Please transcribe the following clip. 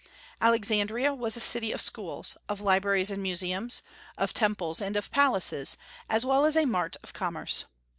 Alexandria was a city of schools, of libraries and museums, of temples and of palaces, as well as a mart of commerce.